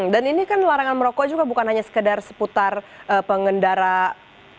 dan ini kan larangan merokok juga bukan hanya sekedar seputar pengendaran